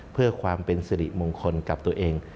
เพื่อความเป็นสิริมงคลกับตัวเอง